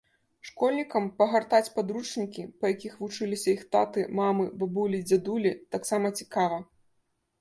Школьнікам пагартаць падручнікі, па якіх вучыліся іх таты, мамы, бабулі і дзядулі, таксама цікава.